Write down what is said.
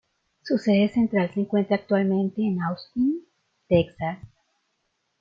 Su sede central se encuentra actualmente en Austin, Texas.